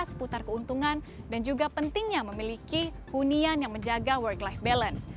seputar keuntungan dan juga pentingnya memiliki hunian yang menjaga work life balance